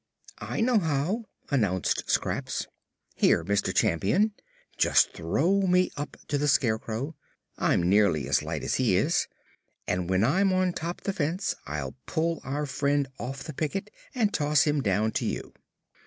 "I know how," announced Scraps. "Here, Mr. Champion; just throw me up to the Scarecrow. I'm nearly as light as he is, and when I'm on top the fence I'll pull our friend off the picket and toss him down to you."